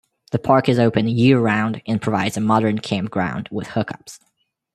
The park is open year-round and provides a modern campground with hook-ups.